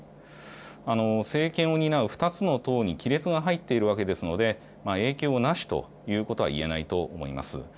政権を担う２つの党に亀裂が入っているわけですので、影響なしということはいえないと思います。